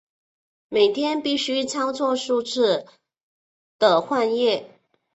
每天必须操作数次的换液。